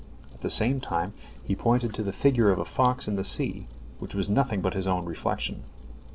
At the same time he pointed to the figure of a fox in the sea, which was nothing but his own reflection.